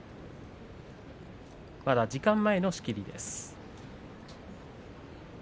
時間前の仕切りです。